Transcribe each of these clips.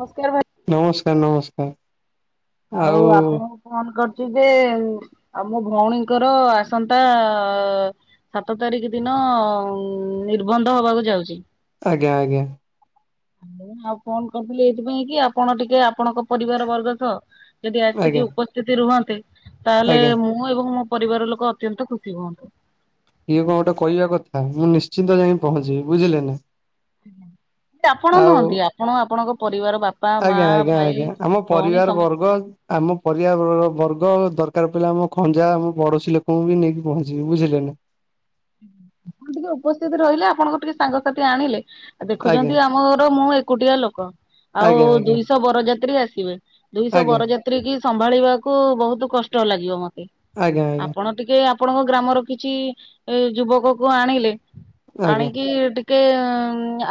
ନମସ୍କାର ଭାଇ। ନମସ୍କାର ନମସ୍କାର। ଆଉ ଆପଣ ଫୋନ କରିଚି ଯେ ଆମ ଭଉଣୀଙ୍କର ଆସନ୍ତା ସାତ ତାରିଖ ଦିନ ଉଁ ନିର୍ବନ୍ଧ ହବାକୁ ଯାଉଚି। ଆଜ୍ଞା ଆଜ୍ଞା। ମୁଁ ଆଉ ଫୋନ କରିଥିଲି ଏଇଥିପାଇଁ କି ଆପଣ ଟିକେ ଆପଣଙ୍କ ପରିବାର ବର୍ଗ ସହ ଯଦି ଆଜ୍ଞା ଆସିକି ଉପସ୍ଥିତି ରୁହନ୍ତେ ତାହେଲେ ଆଜ୍ଞା ମୁଁ ମୁଁ ଏବଂ ମୋ ପରିବାର ଲୋକ ଅତ୍ୟନ୍ତ ଖୁସି ହୁଅନ୍ତୁ। ଇଏ କଣ ଗୋଟେ କହିବା କଥା ମୁଁ ନିଶ୍ଚିନ୍ତ ଯାଇ ପହଞ୍ଚିବି ବୁଝିଲେ ନା। ଆପଣ ଆଉ ନୁହଁନ୍ତି ଆପଣ ଆପଣଙ୍କ ପରିବାର ବା ଆଜ୍ଞା ଆଜ୍ଞା ଆଜ୍ଞା ଆମ ପରିବାରବର୍ଗ ଆମ ପରିବା ବ୍ର ବର୍ଗ ଦରକାର ପଇଲେ ଆମ ଖଞ୍ଜା ଆମ ପଡୋଶୀ ଲୋକଙ୍କୁ ବି ନେଇକି ପହଞ୍ଚିବି ବୁଝିଲେ ନା। ଆପଣ ଟିକେ ଉପସ୍ଥିତି ରହିଲେ ଆପଣଙ୍କର ଟିକେ ସାଙ୍ଗସାଥି ଆଣିଲେ ଆଜ୍ଞା ଦେଖୁଛନ୍ତି ଆମର ମୁଁ ଏକୁଟିଆ ଲୋକ। ଆଉ ଆଜ୍ଞା ଆଜ୍ଞା ଦୁଇଶ ବରଯାତ୍ରୀ ଆସିବେ ଦୁଇଶ ଆଜ୍ଞା ବରଯା ତ୍ରୀ କି ସମ୍ଭାଳିବାକୁ ବହୁତ କଷ୍ଟ ଲାଗିବ ମତେ ଆଜ୍ଞା ଆଜ୍ଞା ଆପଣ ଟିକେ ଆପଣଙ୍କ ଗ୍ରାମର କିଛି ଯୁବକକୁ ଆଣିଲେ ଆଜ୍ଞା ଆଣିକି ଟି ଟିକେ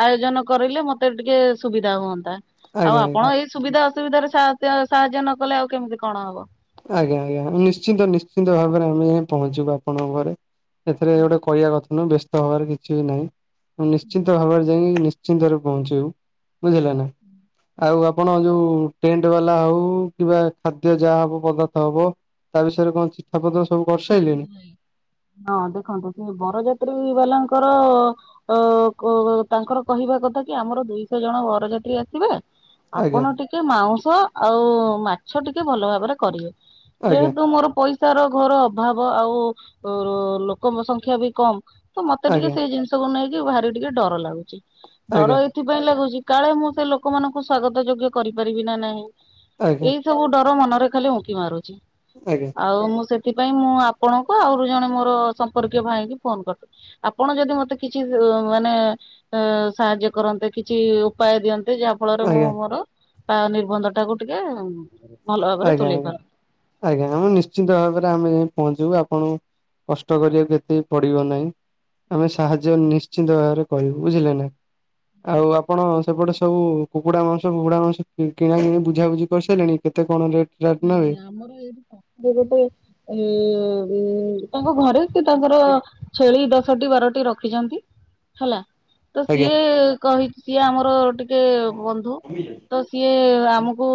ଆୟୋଜନ କରିଲେ ମତେ ଟିକେ ସୁବିଧା ହୁଅନ୍ତା ଆଉ ଆଜ୍ଞା ଆପଣ ଆଜ୍ଞା ଏଇ ସୁବିଧା ଅସୁବିଧାରେ ସାହା ସାହାଯ୍ୟ ନ କଲେ ଆଉ କେମିତି କଣ ହବ। ଆଜ୍ଞା ଆଜ୍ଞା ନିଶ୍ଚିନ୍ତ ନିଶ୍ଚିନ୍ତ ଭାବରେ ଆମେ ଯାଇ ପହଞ୍ଚିବୁ ଆପଣଙ୍କ ଘରେ। ଏଥିରେ ଗୋଟେ କହିବା କଥା ନୁହଁ ବ୍ୟସ୍ତ ହବାର କିଛିବି ନାହିଁ, ମୁଁ ନିଶ୍ଚିିତ ଭାବରେ ଯାଇକି ନିଶ୍ଚ ନିଶ୍ଚିନ୍ତରେ ପହଞ୍ଚିବୁ ବୁଝିଲେ ନା। ଆଉ ଆପଣ ଯୋଉ ଟେଣ୍ଟ ବାଲା ହଉ କିବା ଖାଦ୍ୟ ଯାହା ହବ ପଦାର୍ଥ ହବ ତା ବିଷୟରେ କଣ ଚି ଆପଦ ସବୁ କ ହଁ ଦେଖନ୍ତୁ କିନ୍ତୁ ବରଯାତ୍ରୀ ବାଲାଙ୍କର ତ ତାଙ୍କର କହିବା କଥା କି ଆମର ଦୁଇଶହ ଜଣ ବରଯାତ୍ରୀ ଆସିବେ। ଆଜ୍ଞା ଆପଣ ଟିକେ ମାଉଁସ ଆଉ ମାଛ ଟିକେ ଭଲ ଭାବରେ କରିବେ। ଆଜ୍ଞା ଯେହେତୁ ମୋର ପଇସାର ଘର। ଅଭାବ ଆଉ ଲୋକଙ୍କ ସଂଖ୍ୟା ବି କମ ତ ମତେ ଟିକେ ଆଜ୍ଞା ସେଇ ଜିନିଷ ସବୁ ନେଇକି ଭାରି ଟିକେ ଡର ଲାଗୁଛି। ଡର ଆଜ୍ଞା ଏଥିପାଇଁ ଲାଗୁଛି କାଳେ ମୁଁ ସେ ଲୋକମାନଙ୍କୁ ସ୍ଵାଗତ ଯୋଗ୍ୟ କରିପାରିବି ନା ନାହିଁ। ଆଜ୍ଞା ଏଇ ସବୁ ଡର ମନରେ ଖାଲି ଉଙ୍କି ମାରୁଛି। ଆଜ୍ଞା। ଆଉ ମୁଁ ସେଥିପାଇଁ ମୁଁ ଆପଣଙ୍କୁ ଆହୁରି ଜଣେ ମୋର ସମ୍ପର୍କୀୟ ଭାଇକି ଫୋନ କରିଥିଲି। ଆପଣ ଯଦି ମତେ କିଛି ମାନେ ଅ ସାହାଯ୍ୟ କରନ୍ତେ କିଛି ଉପାୟ ଦିଅନ୍ତେ ଯାହା ଫଳରେ ମୁଁ ଆଜ୍ଞା ମୋର ତା ନିର୍ବନ୍ଧ ଟାକୁ ଟିକେ ଭଲ ଭାବରେ ଆଜ୍ଞା ତୁଲେଇ ପାରନ୍ତି। ଆଜ୍ଞା ଆଜ୍ଞା ଆମେ ନିଶ୍ଚିିତ ଭାବରେ ଆମେ ଯାଇ ପହଞ୍ଚିବୁ, ଆପଣ କଷ୍ଟ କରିବାକୁ ଏତେବି ପଡିବ ନାହିଁ। ଆମେ ସାହାଯ୍ୟ ନିଶ୍ଚିନ୍ତ ଭାବରେ କହିବୁ ବୁଝିଲେ ନା। ଆଉ ଆପଣ ସେପଟେ ସବୁ କୁକୁଡା ମାଉଁସ ଫୁକୁଡା ମାଉଁସ କିଣା କିଣି ବୁଝାବୁଝି କରିସାରିଲେଣି? କେତେ କଣ ରେଟ୍? ରାଟ୍ ନେବେ? ନାଇଁ ଆମର ଏଇଠି ପାଖରେ ଗୋଟେ ଏ ତାଙ୍କ ଘରେ ସେ ତାଙ୍କର ଛେଳି ଦଶଟି ବାରଟି ରଖିଛନ୍ତି ହେଲା ତ ଆଜ୍ଞା ସିଏ କହିଚି ସିଏ ଆମର ଟିକେ ବନ୍ଧୁ। ତ ସିଏ ଆମକୁ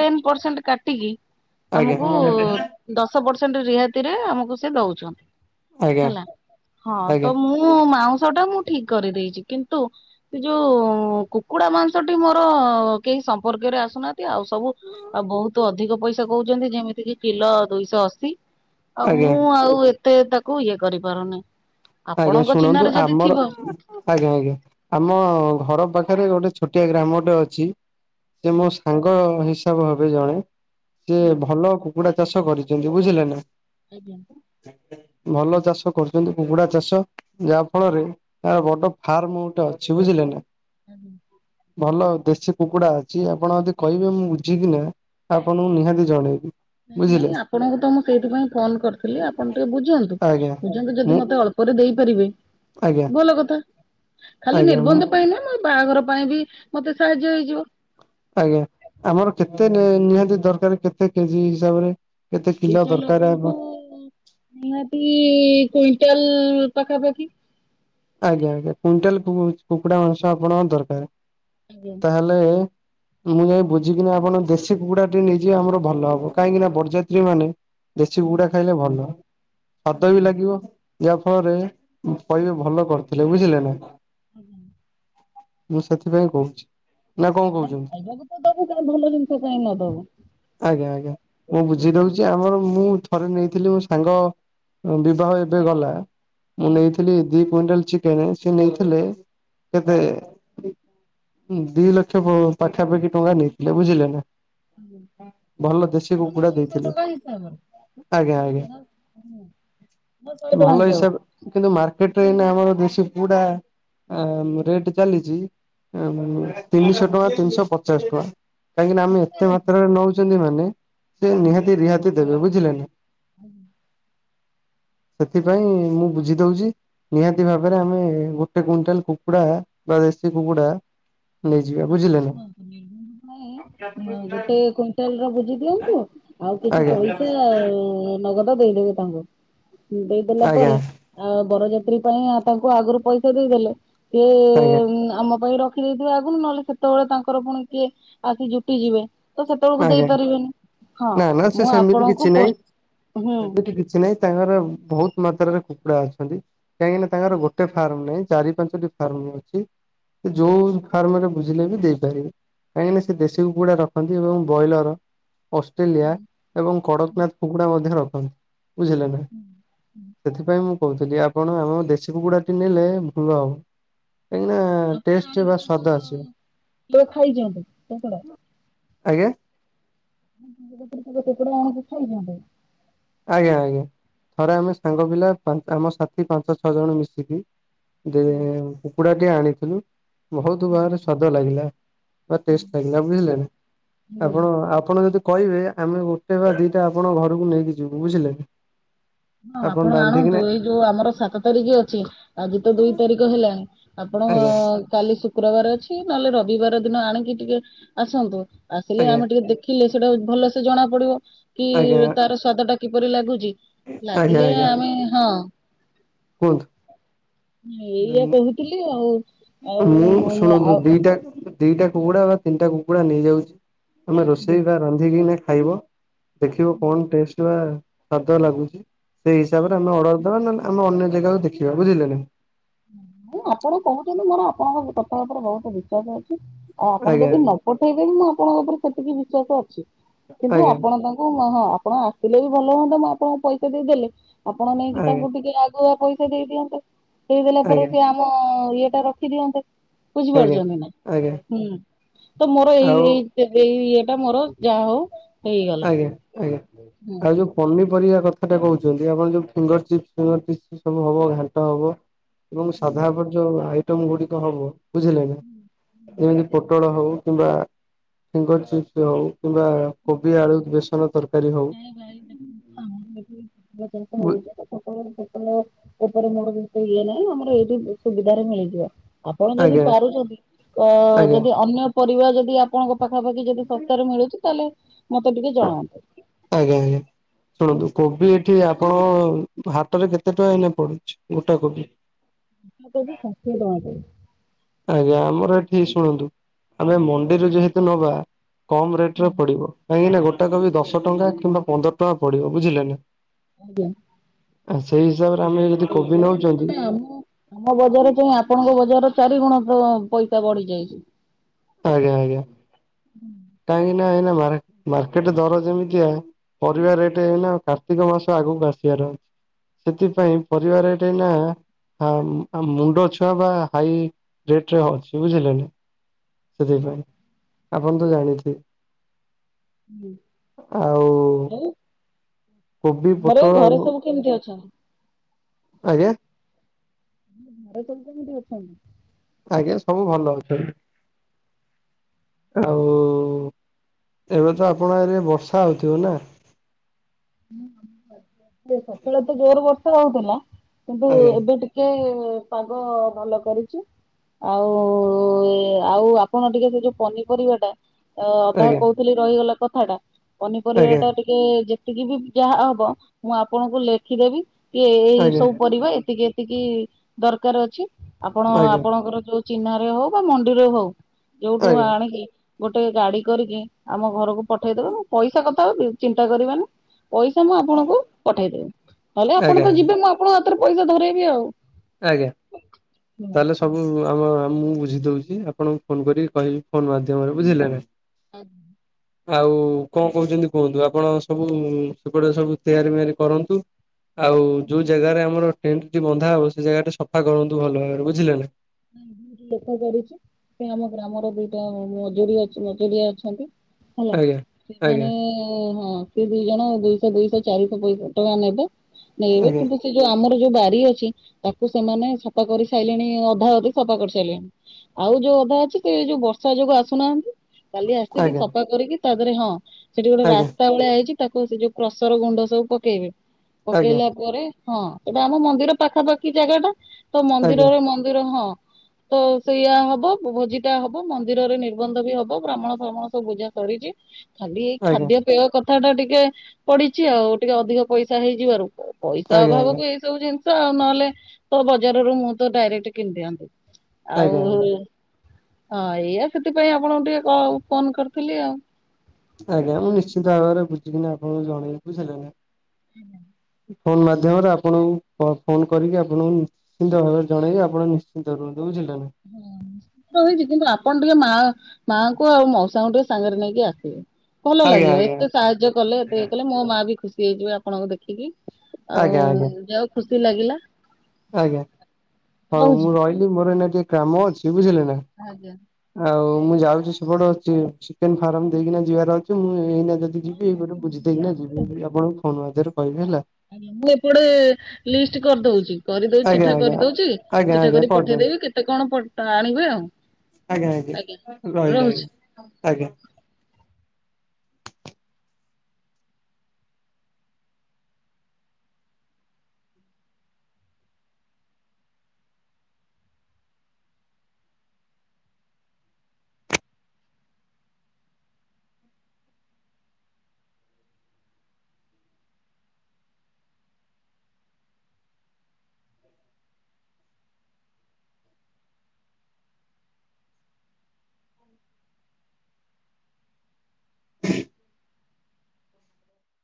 ଟେନ ପରସେଣ୍ଟ କାଟିକି ଆଜ୍ଞା ଆମକୁ ଦଶ ପରସେଣ୍ଟ ରିହାତିରେ ଆମକୁ ସେ ଦଉଛନ୍ତି, ଆଜ୍ଞା ହେଲା ହଁ ଆଜ୍ଞା ତ ମୁଁ ମୁଁ ମାଉଁସଟା ମୁଁ ଠିକ୍ କରିଦେଇଛି କିନ୍ତୁ ସେ ଯୋଉ କୁକୁଡା ମାଂସଟି ମୋର କେହି ସମ୍ପର୍କରେ ଆସୁନାହାନ୍ତି ଆଉ ସବୁ ଆଉ ବହୁତ ଅଧିକ ପଇସା କହୁଛନ୍ତି ଯେମିତିକି କିଲୋ ଦୁଇଶହ ଅଶୀ, ଆଉ ଆଜ୍ଞା ମୁଁ ଆଉ ଏ ଏତେ ତାକୁ ଇଏ କରିପାରୁନି। ଆଜ୍ଞା ଆପଣଙ୍କ ଶୁଣନ୍ତୁ ଚିହ୍ନାରେ ଯଦି ଆମର ଥିବ ଆଜ୍ଞା ଆଜ୍ଞା ଆମ ଘର ପାଖରେ ଗୋଟେ ଛୋଟିଆ ଗ୍ରାମ ଟେ ଅଛି। ଯେ ମୋ ସାଙ୍ଗ ହିସାବ ହେବେ ଜଣେ ଯେ ଭଲ କୁକୁଡା ଚାଷ କରିଛନ୍ତି ବୁଝିଲେ ନା। ଆଜ୍ଞା। ଭଲ ଚାଷ କରୁଛନ୍ତି କୁକୁଡା ଚାଷ ଯାହା ଫଳରେ ତାର ବଡ ଫାର୍ମ ଗୋଟେ ଅଛି ବୁଝିଲେ ନା। ଆଜ୍ଞା। ଭଲ ଦେଶୀ କୁକୁଡା ଅଛି ଆପଣ ଯଦି କହିବେ ମୁଁ ବୁଝିକି ନା ଆପଣଙ୍କୁ ନିହାତି ଜଣେଇବି। ନାଇଁ ନାଇଁ ବୁଝିଲେ ଆପଣଙ୍କୁ ତ ମୁଁ ସେଇଥିପାଇଁ ଫୋନ କରିଥିଲି ଆପଣ ଟିକେ ବୁଝନ୍ତୁ, ଆଜ୍ଞା ବୁଝନ୍ତୁ ଯଦି ମୁଁ ମତେ ଅଳ୍ପ ପରେ ଦେଇପାରିବେ ଆଜ୍ଞା ଭଲ କଥା ଖାଲି ଆଜ୍ଞା ମୁଁ ନିର୍ବନ୍ଧ ପାଇଁ ନୁହେଁ। ବାହାଘର ପାଇଁ ବି ମତେ ସାହାଯ୍ୟ ହେଇଯିବ। ଆଜ୍ଞା ଆମର କେତେ ନି ନିହାତି ଦରକାର କେତେ କେଜି ହିସାବରେ। କେତେ କିଲ ଓଡିଶା ଦରକାର ଲୋକଙ୍କୁ ଆପ ନିହାତି କୁଇଣ୍ଟାଲ ପାଖାପାଖି। ଆଜ୍ଞା ଆଜ୍ଞା କୁଇଣ୍ଟାଲ କୁକୁ କୁକୁଡା ମାଂସ ଆପଣଙ୍କ ଦରକାର, ଆଜ୍ଞା ତାହେଲେ ମୁଁ ଯାଇ ବୁଝିକିନା ଆପଣ ଦେଶୀ କୁକୁଡା ଟିକେ ନେଇଯିବେ ଆମର ଭଲ ହବ, କାଇଁକି ନା ବରଯାତ୍ରୀନେ ଦେଶୀ କୁକୁଡା ଖାଇଲେ ଭଲ, ସ୍ଵାଦ ବି ଲାଗିବ। ଯାହାଫଳରେ କହିବେ ଭଲ କରିଥିଲେ ବୁଝିଲେ ନା। ଆଜ୍ଞା। ମୁଁ ସେଥିପାଇଁ କହୁଚି। ନାଇଁ ଖାଇବାକୁ ତ ଦବୁ କାଇଁ ଭଲ ଜିନିଷ କାଇଁ ନ ଦବୁ। ଆଜ୍ଞା ଆଜ୍ଞା ମୁଁ ବୁଝିଦଉଚି ଆମର ମୁଁ ଥରେ ନେଇଥିଲି ମୋ ସାଙ୍ଗ ବିବାହ ଏବେ ଗଲା। ମୁଁ ନେଇଥିଲି ଦି କୁଇଣ୍ଟାଲ ଚିକେନ, ସିଏ ନେଇଥିଲେ କେତେ ଦି ଲକ୍ଷ ପାଖାପାଖି ଟଙ୍କା ନେଇଥିଲେ ବୁଝିଲେ ନା। ଭଲ ଦେଶୀ ଧରନ୍ତୁ କୁକୁଡ଼ା ଦୁଇଶହ ଦେଇଥିଲେ। ଟଙ୍କା ହିସାବରେ ଆଜ୍ଞା ଆଜ୍ଞା। ମୋ ଶହେ ଟଙ୍କା ଭଲ ହିସାବ ହେଇଥିବ। କିନ୍ତୁ ମାର୍କେଟରେ ଏଇନେ ଆମର ଦେଶୀ କୁକୁଡା ଆ ରେଟ୍ ଚାଲିଚି ଉଁ ତିନିଶହ ଟଙ୍କା ତିନିଶ ପଚାଶ ଟଙ୍କା। କାହିଁକି ନା ଆମେ ତା ଏତେ ମାତ୍ରାରେ ନଉଚନ୍ତି ମାନେ ସେ ନିହାତି ରିହାତି ଦେବେ ବୁଝିଲେ ନା। ସେଥିପାଇଁ ମୁଁ ବୁଝିଦଉଚି ନିହା ତି ଭାବେରେ ଆମେ ଗୋଟେ କୁଇଣ୍ଟାଲ କୁକୁଡା ବା ଦେଶୀ କୁକୁଡା ଆପଣ ଶୁଣନ୍ତୁ ନିର୍ବନ୍ଧ ପାଇଁ ଗୋଟାଏ କୁଇଣ୍ଟାଲର ବୁଝିଦିଅନ୍ତୁ। ଆଉ କିଛି ଆଜ୍ଞା ପଇସା ନଗଦ ଦେଇଦେବେ ତାଙ୍କୁ, ଦେଇଦେଲା ଆଜ୍ଞା ପରେ ଆ ବରଯାତ୍ରୀ ପାଇଁ ତାଙ୍କୁ ଆଗରୁ ପଇସା ଦେଇଦେଲେ ଆଜ୍ଞା ସିଏ ଆମ ପାଇଁ ର ଖି ଦେଇଥେବେ ଆଗୁରୁ ନହେଲେ ସେତବଳେ ତାଙ୍କର ପୁଣି କିଏ ଆସି ଜୁଟିଯିବେ। ତ ସେତବେଳକୁ ଆଜ୍ଞା ଦେଇପାରିବେନି, ହଁ ନା ନା ସେ ମୁଁ ସେମିତି ଆପଣଙ୍କୁ କିଛି ପ ନାହିଁ ହୁଁ ସେମିତି କିଛି ନାଇଁ ତାଙ୍କର ବହୁତ ମାତ୍ରାରେ କୁକୁଡା ଅଛନ୍ତି, କାହିଁକିନା ତାଙ୍କର ଗୋଟେ ଫାର୍ମ ନାଇଁ। ଚାରି ପାଞ୍ଚଟି ଫାର୍ମ ଅଛି। ସେ ଯୋଉ ଫାର୍ମରେ ବୁଝିଲେ ବି ଦେଇପାରିବେ, କାହିଁକିନା ସେ ଦେଶୀ କୁକୁଡା ରଖନ୍ତି ଏବଂ ବ୍ରଏଲର ଅଷ୍ଟ୍ରେଲିଆ ଏବଂ କଡକନାଥ କୁକୁଡା ମଧ୍ୟ ରଖନ୍ତି। ବୁଝିଲେ ନା ସେଥିପାଇଁ ମୁଁ କହୁଥିଲି ଆ ଆପଣ ଆମ ଦେଶୀ କୁକୁଡ଼ାଟି ନେଲେ ଭଲ ହବ। କାହିଁକି ନା ଆପଣ ଟେଷ୍ଟ ଆଣିକି ବା ତାଙ୍କ ସ୍ଵାଦ ଆସିବ। କେବେ ଖାଇଚନ୍ତି କଙ୍କଡା? ଆଜ୍ଞା? କେବେ କୁକୁଡା ଆଣିକି ଖାଇଚନ୍ତି? ଆଜ୍ଞା ଆଜ୍ଞା ଥରେ ଆମେ ସାଙ୍ଗ ପିଲା ଆମ ସାଥି ପାଞ୍ଚ ଛଅଜଣ ମିଶିକି ଦେ କୁକୁଡ଼ାଟି ଆଣିଥିଲୁ, ବହୁତ ବାହାରେ ସ୍ଵାଦ ଲାଗିଲା। ବ ଟେଷ୍ଟ ଲାଗିଲା ବୁଝିଲେ ନା ଆପଣ ଆପଣ ଯଦି କହିବେ ଆମେ ଗୋଟେ ବା ଦିଟା ଆପଣଙ୍କ ଘରୁକୁ ନେଇକି ଯିବୁ ବୁଝିଲେ। ହଁ ଆପଣ ଆଣନ୍ତୁ ଏଇ ଯୋଉ ଆମର ସାତ ତାରିଖ ଅଛି ଆଜି ତ ଦୁଇ ତାରିଖ ହେଲାଣି। ଆପଣ ଆଜ୍ଞା କାଲି ଶୁକ୍ରବାରେ ଅଛି ନହେଲେ ରବିବାର ଦିନ ଆଣିକି ଟିକେ ଆସନ୍ତୁ। ଆସିଲେ ଆଜ୍ଞା ଆମେ ଟିକେ ଦେଖିଲେ ସେଇଟା ଭଲସେ ଜଣାପଡିବ କି ଆଜ୍ଞା ତାର ସ୍ଵାଦଟା କିପରି ଲାଗୁଚି ଆଜ୍ଞା ଲାଗିଲେ ଆଜ୍ଞା ଆମେ ହଁ କୁହନ୍ତୁ? ଏଇଆ କହୁଥିଲି ଆଉ। ଆଉ ମୁଁ ଶୁଣନ୍ତୁ ଆଉ ଦିଟା ଦିଟା କୁକୁଡା ବା ତିନିଟା କୁକୁଡା ନେଇଯାଉଚି ତମେ ରୋଷେଇ ବା ରାନ୍ଧିକି ନା ଖାଇବ। ଦେଖିବ କଣ ଟେଷ୍ଟ ବା ସ୍ଵାଦ ଲାଗୁଚି, ସେଇ ହିସାବରେ ଆମେ ଅର୍ଡର ଦବା ନ ଆମେ ଅନ୍ୟ ଜେଗାକୁ ଦେଖିବା ବୁଝିଲେ କି। ମୁଁ ଆପଣ କହୁଚନ୍ତି ମୋର ଆପଣଙ୍କ କଥା ଉପରେ ବହୁତ ବିଶ୍ବାସ ଅଛି, ଆଉ ଆପଣ ଆଜ୍ଞା ଯଦି ପଠେଇଦେବି ମୁଁ ଆପଣଙ୍କ ଉପରେ ସେତିକି ବିଶ୍ୱାସ ଅଛି, କିନ୍ତୁ ଆଜ୍ଞା। ଆପଣ ତାଙ୍କୁ ହଁ ଆପଣ ଥିଲେ ବି ଭଲ ହୁଅନ୍ତା ମୁଁ ଆପଣଙ୍କୁ ପଇସା ଦେଇ ଦେଲେ ଆପଣ ନେଇକି ଆଜ୍ଞା ତାଙ୍କୁ ଟିକେ ଆଗୁଆ ପଇସା ଦେଇଦିଅନ୍ତେ। ହେଇଦେଲା ପରେ ଆଜ୍ଞା ସେ ଆମ ଇଏ ଟା ରଖିଦିଅନ୍ତେ। ଆଜ୍ଞା ବୁଝିପାରୁଛନ୍ତି ନା ଆଜ୍ଞା ହୁଁ ତ ମୋର ଆଉ ଏଇ-ଏଇ ଏଇ ଇଏଟା ମୋର ଯାହା ହଉ ହେଇଗଲା ଆଜ୍ଞା ଆଜ୍ଞା ହୁଁ। ଆଉ ଯୋଉ ପନିପରିବା କଥାଟା କହୁଛନ୍ତି ଆପଣ ଯୋଉ ଫିଙ୍ଗର ଚିପ୍ସ ଫିଙ୍ଗର ଚିପ୍ସ ସବୁ ହବ ଘାଣ୍ଟ ହବ। ଏବଂ ସାଧା ଉପରେ ଯୋଉ ଆଇଟମ ଗୁଡିକ ହବ ବୁଝିଲେ ନା ଯେମିତି ପୋଟଳ ହଉ କିମ୍ବା ଫିଙ୍ଗର ଚିପ୍ସ ହଉ କିମ୍ବା କୋବି ଆଳୁ ବେସନ ତରକାରୀ ହଉ। [unintelligible] [unintelligible] ବୁ ସେପଟେ ମୋର ଜିନିଷ ଇଏ ନାହିଁ ଆମର ଏଇଠୁ ସୁବିଧାରେ ମିଳିଯିବ। ଆପଣ ଯଦି ଆଜ୍ଞା ପାରୁଛନ୍ତି ଅ ଆଜ୍ଞା ଯଦି ଅନ୍ୟ ପରିବା ଯଦି ଆ ଆପଣଙ୍କ ପାଖାପାଖି ଯଦି ଶସ୍ତାରେ ମିଳୁଛି ତାହେଲେ ମତେ ଟିକେ ଜଣାନ୍ତୁ। ଆଜ୍ଞା-ଆଜ୍ଞା ଶୁଣନ୍ତୁ କୋବି ଏଠି ଆପଣ ହାଟରେ କେତେ ଟଙ୍କା ଏଇନା ପଡୁଛି ଗୋଟା କୋବି? ବନ୍ଧା କୋବି ଷାଠିଏ ଟଙ୍କା କେଜି। ଆଜ୍ଞା ଆମର ଏଠି ଶୁଣନ୍ତୁ ଆମେ ମଣ୍ଡିରେ ଯେହେତୁ ନବା କମ ରେଟ ରେ ପଡିବ କାହିଁକି ନା ଗୋଟା କୋବି ଦଶ ଟଙ୍କା କିମ୍ବା ପନ୍ଦର ଟଙ୍କା ପଡିବ ବୁଝିଲେ ନା। ଆଜ୍ଞା। ଆ ସେଇ ହିସାବରେ ଆମେ ଯଦି ଏ କୋବି ବହୁତ ନଉଛନ୍ତି ମାନେ ଆମ ଆମ ବଜାର ଚା ଆପଣଙ୍କ ବଜାର ର ଚାରି ଗୁଣ ତ ପ ପଇସା ବଢି ଯାଇଛି। ଆଜ୍ଞା ଆଜ୍ଞା କାହିଁକି ନା ଏଇନା ମାର୍କେଟ ଦର ଯେମିତିଆ ପରିବା ରେଟ ଏଇନା କାର୍ତ୍ତିକ ମାସ ଆଗକୁ ଆସିବାର ସେଥିପାଇଁ ପରିବାର ରେଟ୍ ଏଇନା ହଁ ମୁଣ୍ଡ ଛୁଆ ବା ହାଇ ରେଟରେ ଅଛି ବୁଝିଲେ ନା। ସେଥିପାଇଁ ଆପଣ ତ ଜାଣିଥିବେ। ଆଉ ଆଉ କୋବି ଘରେ ପୋଟଳ ଘରେ ଏବଂ ସବୁ କେମିତି ଅଛନ୍ତି? ଆଜ୍ଞା। ଘରେ କେମିତି ସବୁ ଅଛନ୍ତି? ଆଜ୍ଞା ସବୁ ଭଲ ଅଛନ୍ତି। ଆଉ ଏବେ ତ ଆପଣ ଏରେ ବର୍ଷା ହେଉଥିବ ନା। ସେ ସକାଳ ତ ଜୋର ବର୍ଷ ରହୁଥିଲା କିନ୍ତୁ ଆଜ୍ଞା ଏବେ ଟିକେ କିଏ ପାଗ ଭଲ କରିଛି। ଆଉ ଏ ଆଉ ଆପଣ ଟିକେ ଯ ଯୋଉ ପନିପରିବା ଟା ଅଧା ଆଜ୍ଞା କହୁଥିଲି ରହିଗଲା କଥା ଟା ପନିପରିବା ଆଜ୍ଞା ଟା ଟି କେ ଯେତିକି ବି ଯାହା ହବ ମୁଁ ଆପଣଙ୍କୁ ଲେଖିଦେବି। ଏ ଏଇ ଆଜ୍ଞା ସବୁ ପରିବା ଏତିକି ଏତିକି ଦରକାର ଅଛି ଆପଣ ଆଜ୍ଞା ଆପଣଙ୍କର ଯୋଉ ଚିହ୍ନା ରେ ହଉ ବା ମଣ୍ଡିରେ ହଉ ଯୋଉଠୁ ଆଜ୍ଞା ଆଣିକି ଗୋଟେ ଗାଡି କରିକି ଆମ ଘରକୁ ପଠେଇଦେବେ ପଇସା କଥା ଆଉ ଚିନ୍ତା କରିବ ନାହିଁ। ପଇସା ମୁଁ ଆପଣଙ୍କୁ ପଠେଇଦବି ହେଲେ ଆପଣ ତ ଆଜ୍ଞା ଯିବେ ମୁଁ ଆପଣଙ୍କ ହାତରେ ପଇସା ଧରେଇବି ଆଉ। ଆଜ୍ଞା ତାହେଲେ ସବୁ ଆମ ମୁଁ ବୁଝି ଦଉଛି ଆପଣଙ୍କୁ ଫୋନ କରି କହିବି ଫୋନ ମାଧ୍ୟମରେ ବୁଝିଲେ ନା। [unintelligible] ଆଉ କଣ କହୁଛନ୍ତି କୁହନ୍ତୁ ଆପଣ ସବୁ ସେପଟେ ସବୁ ତିଆରି ମିଆରି କରନ୍ତୁ। ଆଉ ଯୋଉ ଜାଗାରେ ଆମର ଟେଣ୍ଟ ବନ୍ଧା ହବ ସେ ଜାଗା ସଫା କରନ୍ତୁ ଭଲ ଭାବରେ ବୁଝିଲେ ନା। ଦେଖା କରିଛି ସେ ଆମ ଗ୍ରାମର ଦିଇଟା ମଜୁରି ମଜୁରିଆ ଅଛନ୍ତି। ହେଲା ଆଜ୍ଞା ସେମାନେ ଆଜ୍ଞା ହଁ। ସେ ଦି ଜଣ ଦୁଇଶ ଦୁଇଶ ଚାରିଶ ପଇସା- ଟଙ୍କା ନେବେ ନେଇବେ କିନ୍ତୁ ସେ ଯଉ ଆମର ଯଉ ବାରି ଅଛି ତାକୁ ସେମାନେ ସଫା କରି ସାଇଲେଣି ଅଧା ଅ ଧୀ ସଫା କରିସାଇଲେଣି ଆଉ ଯଉ ଅଧା ଅଛି ସେ ଏ ଯଉ ବର୍ଷା ଯୋଗୁଁ ଆସୁନାହାଁନ୍ତି। କାଲି ଆସିକି ଆଜ୍ଞା ସଫା କରିକି ତା ଦିହେରେ ହଁ ସେଠି ଗୋଟେ ଆଜ୍ଞା ରାସ୍ତା ଭଳିଆ ହେଇଚି ତାକୁ ସେ ଯଉ କ୍ରସର ଗୁଣ୍ଡ ସବୁ ପକେଇବେ ଆଜ୍ଞା ପକେଇଲା ପରେ ହଁ ସେଟା ଆମ ମନ୍ଦିର ପାଖାପାଖି ଜାଗାଟା ତ ଆଜ୍ଞା ଆଜ୍ଞା ମନ୍ଦିରରେ- ମନ୍ଦିର ହଁ। ତ ସେଇଆ ହବ ଭୋଜିଟା ହବ ମନ୍ଦିରରେ ନିର୍ବନ୍ଧ ବି ହବ ବ୍ରାହ୍ମଣ ଫ୍ରାହ୍ମଣ ସବୁ ବୁଝା ସରିଚି। ଖାଲି ଏଇ ଆଜ୍ଞା। ଆଜ୍ଞା ଖାଦ୍ୟପେୟ କଥାଟା ଟିକେ ପଡିିଚିଆଉ ଟିକେ ଅଧିକ ପଇସା ହେଇଯିବାରୁ ପଇସା ଆଜ୍ଞା ଅଭାବକୁ ଏଇସବୁ ଜିନିଷ ଆଉ ନହେଲେ ତ ବଜାରରୁ ମୁଁ ତ ଡାଇରେକ୍ଟ କିଣି ଦିଅନ୍ତି। ଆଉ ଆଜ୍ଞା ଆଜ୍ଞା ହଁ ଏଇଆ ସେଥିପାଇଁ ଆପଣଙ୍କୁ ଟିକେ କ- ଫୋନ୍ କରିଥିଲି ଆଉ। ଆଜ୍ଞା ମୁଁ ନିଶ୍ଚିନ୍ତ ଭାବରେ ବୁଝିକି ନା ଆପଣଙ୍କୁ ଜଣେଇବି ବୁଝିଲେ ନା। ହୁଁ ଫୋନ୍ ମାଧ୍ୟମରେ ଆପଣଙ୍କୁ ପ-ଫୋନ୍ କରିକି ଆପଣଙ୍କୁ ନିଶ୍ଚିନ୍ତ ଭାବରେ ଜଣେଇବି ଆପଣ ନିଶ୍ଚିନ୍ତ ରୁହନ୍ତୁ ବୁଝିଲେ ନା। ହଁ କହିଚି କିନ୍ତୁ ଆପଣ ଟିକେ ମା- ମାଙ୍କୁ ଆଉ ମଉସାଙ୍କୁ ଟିକେ ସାଙ୍ଗରେ ନେଇକି ଆସିବେ। ଭଲ ଆଜ୍ଞା ଲାଗିବ ଆଜ୍ଞା ଏତେ ସାହାଯ୍ୟ କଲେ ଏତେ ଇଏ କଲେ ମୋ ମା ବି ଖୁସି ହେଇଯିବେ ଆପଣଙ୍କୁ ଦେଖିକି। ଆଉ ଆଜ୍ଞା ଆଜ୍ଞା ଯା ହଉ ଖୁସି ଲାଗିଲା। ଆଜ୍ଞା ହଉ ରହୁଛି। ମୁଁ ରହିଲି ମୋର ଏଇନା ଟିକେ କାମ ଅଛି ବୁଝିଲେ ନା। ଆଜ୍ଞା। ଆଉ ମୁଁ ଯାଉଚି ସେପଟ ଚି- ଚିକେନ ଫାର୍ମ ଦେଇକି ନା ଯିବାର ଅଛି ମୁଁ ଏଇନା ଯ ଦି ହଁ ଯିବି ହଁ ଟିକେ ଏଇପଟେ ବୁଝିକି ବୁଝିଦେଇକି ଆସ ନା ଯିବି ଆପଣଙ୍କୁ ଫୋନ୍ ମାଧ୍ୟମରେ କହିବି ହେଲା। ଆଜ୍ଞା ମୁଁ ଏପଟେ ଲିଷ୍ଟ କରିଦଉଚି। କରିଦଉ ଆଜ୍ଞା ଚିଠା ଆଜ୍ଞା କରିଦଉଚି ଆଜ୍ଞା ଚିଠା ଆଜ୍ଞା କରି କରିଦିଅନ୍ତୁ ପଠେଇଦେବି କେତେ କଣ ପ ଟା ଆଣିବେ ଆଉ। ଆଜ୍ଞା -ଆଜ୍ଞା ରହିଲି ରହୁଛି। ଆ- ଆଜ୍ଞା।